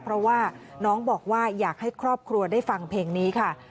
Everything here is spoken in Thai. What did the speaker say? เพราะว่าน้องบอกว่าอยากให้ครอบครัวได้ฟังเพลงนี้ค่ะ